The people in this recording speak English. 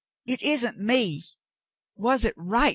It isn't me. Was it right.